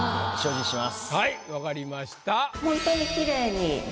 はい分かりました。